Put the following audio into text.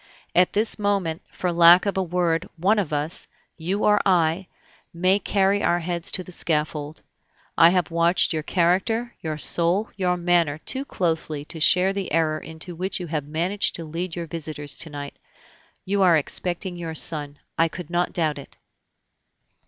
"At this moment, for lack of a word, one of us you or I may carry our heads to the scaffold. I have watched your character, your soul, your manner, too closely to share the error into which you have managed to lead your visitors to night. You are expecting your son, I could not doubt it."